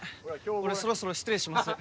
俺そろそろ失礼します